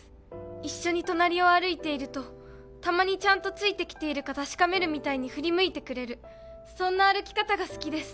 一緒に隣を歩いているとたまにちゃんとついてきているか確かめるみたいに振り向いてくれるそんな歩き方が好きです